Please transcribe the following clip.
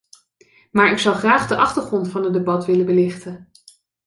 Maar ik zou graag de achtergrond van het debat willen belichten.